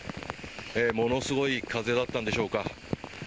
ものすごい風だったんでしょうか。